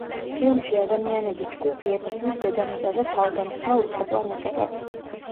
ფილმში ადამიანების ჯგუფი ებრძვის დედამიწაზე თავდამსხმელ უცხოპლანეტელებს.